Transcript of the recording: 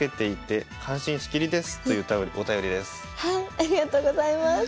ありがとうございます。